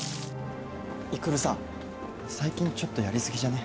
育さ最近ちょっとやりすぎじゃね？